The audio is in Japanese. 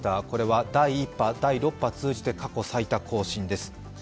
これは第１波、第６波通じて過去最多更新です。